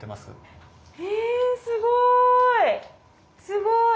すごい！